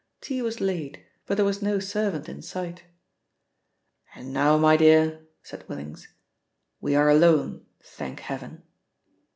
Tea was laid, but there was no servant in sight. "And now, my dear," said Willings, "we are alone, thank heaven."